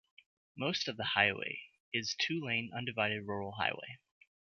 Most of the highway is two-lane undivided rural highway.